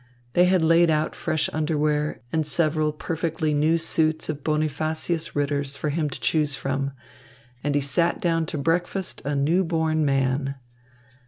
They had laid out fresh underwear and several perfectly new suits of Bonifacius Ritter's for him to choose from; and he sat down to breakfast a "newborn" man.